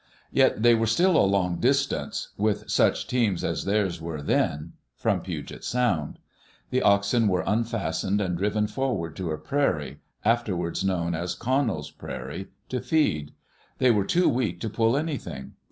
Yet they were still a long distance, with such teams as theirs were then, from Puget Sound. The oxen were unfastened and driven forward to a prairie, afterwards known as Connell's prairie, to feed. They were too weak to pull anything.